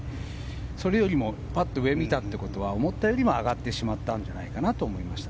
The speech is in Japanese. それよりも上を見たということは思ったよりも上がってしまったんじゃないかと思いました。